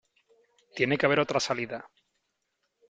Tiene que haber otra salida .